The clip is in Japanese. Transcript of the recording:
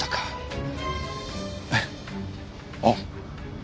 あっ！